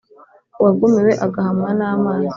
Uwagumiwe ahagamwa n’amazi.